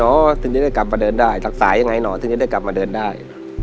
ถึงจะได้กลับมาเดินได้รักษายังไงหรอถึงจะได้กลับมาเดินได้